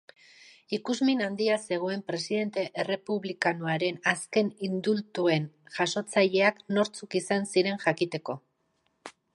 Ikusmin handia zegoen presidente errepublikanoaren azken indultuen jasotzaileak nortzuk izan ziren jakiteko.